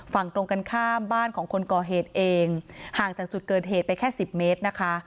ฝั่งตรงกันข้ามบ้านของคนก่อเหตุเองห่างจากจุดเกิดเหตุไปแค่สิบเมตรนะคะ